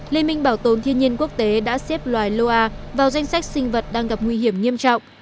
liên minh bảo tồn thiên nhiên quốc tế đã xếp loài loa vào danh sách sinh vật đang gặp nguy hiểm nghiêm trọng